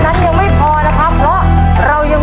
หัวหนึ่งหัวหนึ่ง